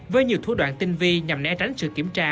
với nhiều thủ đoạn tinh vi nhằm né tránh sự kiểm tra